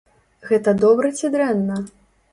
Гэта добра ці дрэнна?